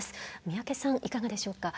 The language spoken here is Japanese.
宮家さん、いかがでしょうか。